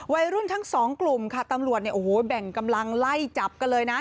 วัยรุ่นทั้งสองกลุ่มค่ะตำรวจเนี่ยโอ้โหแบ่งกำลังไล่จับกันเลยนะ